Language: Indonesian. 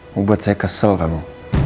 mau buat saya kesel kamu